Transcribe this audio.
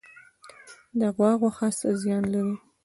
د غوا غوښه څه زیان لري؟